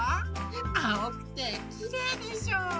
あおくてきれいでしょう？